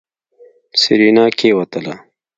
سېرېنا کېوتله.